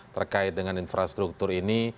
terkait dengan infrastruktur ini